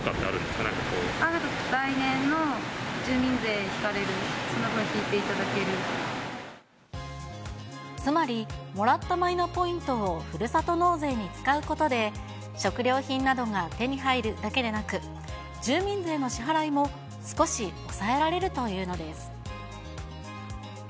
来年の住民税引かれる、つまり、もらったマイナポイントをふるさと納税に使うことで、食料品などが手に入るだけでなく、住民税の支払いも少し抑えられるというのです。